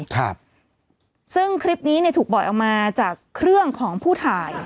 ครับซึ่งคลิปนี้เนี่ยถูกปล่อยออกมาจากเครื่องของผู้ถ่าย